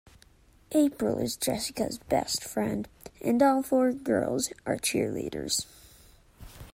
April is Jessica's best friend, and all four girls are cheerleaders.